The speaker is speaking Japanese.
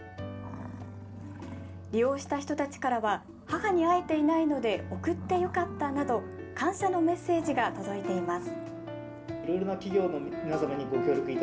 利用した人たちからは母に会えていないので贈ってよかったなど感謝のメッセージが届いています。